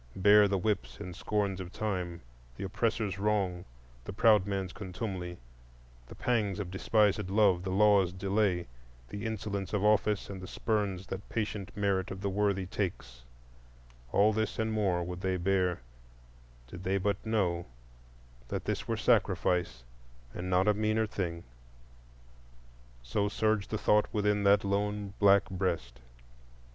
. bear the whips and scorns of time, The oppressor's wrong, the proud man's contumely, The pangs of despised love, the law's delay, The insolence of office, and the spurns That patient merit of the unworthy takes,"— all this and more would they bear did they but know that this were sacrifice and not a meaner thing. So surged the thought within that lone black breast.